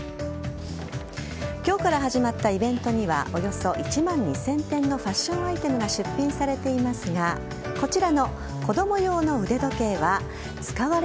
今日から始まったイベントにはおよそ１万２０００点のファッションアイテムが出品されていますがこんにちは！